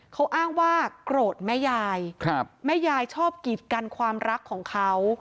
เขาอ้างว่าโกรธแม่ยายแม่ยายชอบกิจกันความรักของเขา